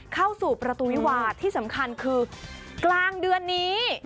เข้าสู่ประตูวิวาที่สำคัญคือกลางเดือนนี้